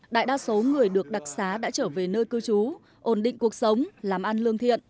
đại đa số người được đặc xá đã trở về nơi cư trú ổn định cuộc sống làm ăn lương thiện